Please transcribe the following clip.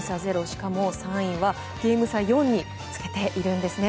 しかも３位はゲーム差４につけているんですね。